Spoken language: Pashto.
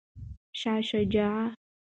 شاه شجاع د لاهور په لور روان شو.